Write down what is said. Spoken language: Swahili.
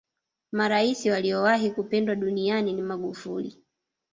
maraisi waliyowahi kupendwa duniani ni magufuli